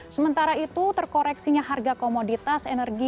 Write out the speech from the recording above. sementara itu terkoreksinya harga komoditas energi